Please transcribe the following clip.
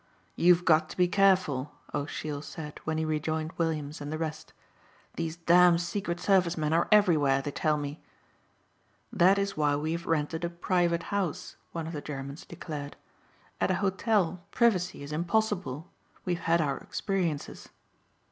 "You've got to be careful," O'Sheill said when he rejoined Williams and the rest. "These damned secret service men are everywhere, they tell me." "That is why we have rented a private house," one of the Germans declared. "At an hotel privacy is impossible. We have had our experiences."